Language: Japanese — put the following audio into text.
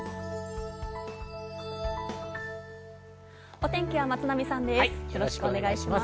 お天気は松並さんです。